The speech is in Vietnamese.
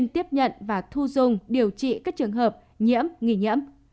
tiếp nhận và thu dung điều trị các trường hợp nhiễm nghi nhiễm